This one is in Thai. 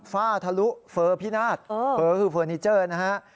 ฝ้าทะลุเฟอร์พินาศเฟ้อคือเฟอร์นิเจอร์นะฮะ